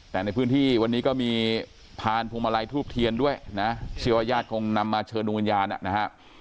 แต่ในพื้นที่วันนี้ก็มีพานพวงมาลัยทูบเทียนด้วยนะเชื่อว่าญาติคงนำมาเชิญดวงวิญญาณนะฮะ